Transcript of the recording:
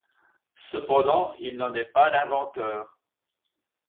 Cependant, il n'en est pas l'inventeur.